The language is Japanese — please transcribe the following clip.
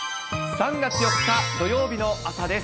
３月４日土曜日の朝です。